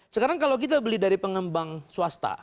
sekarang kalau kita beli dari pengembang swasta